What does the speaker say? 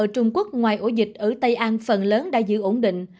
trung quốc ngoài ổ dịch ở tây an phần lớn đã giữ ổn định